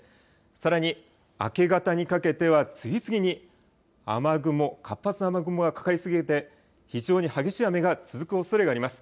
さらに明け方にかけては次々に活発な雨雲がかかり続けて非常に激しい雨が続くおそれがあります。